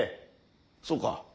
そうか。